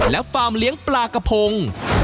และฟาร์มเลี้ยงปลากระพง